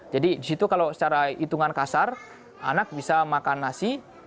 jadi disitu kalau secara hitungan kasar anak bisa makan nasi